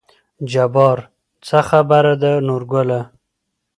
جبار : څه خبره ده نورګله